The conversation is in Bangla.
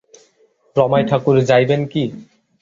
রমাই ঠাকুর যাইবেন কি?